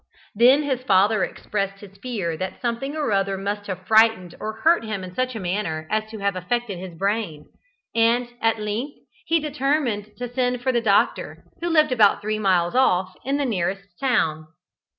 Then his father expressed his fear that something or other must have frightened or hurt him in such a manner as to have affected his brain, and, at length, he determined to send for the doctor, who lived about three miles off, in the nearest town.